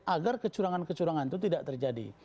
agar kecurangan kecurangan itu tidak terjadi